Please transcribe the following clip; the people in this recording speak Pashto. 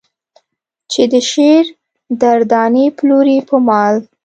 چې د شعر در دانې پلورې په مال.